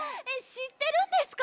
しってるんですか？